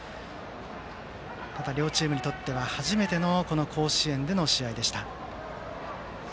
ただ、両チームにとっては初めての甲子園での試合でした。